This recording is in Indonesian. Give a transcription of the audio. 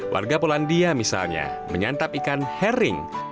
warga polandia misalnya menyantap ikan herring